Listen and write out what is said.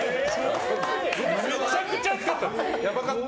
めちゃくちゃ熱かったです。